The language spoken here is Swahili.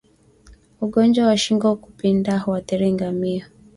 Ugonjwa wa shingo kupinda huathiri ngamia